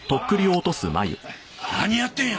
何やってんや！